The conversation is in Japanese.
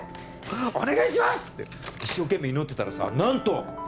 お願いしますって一生懸命祈ってたらさ何と！